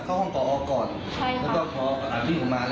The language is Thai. ตอนนี้ก็กลัวเขาได้ยินเหมือนกันก็ผิดเสียงของเรา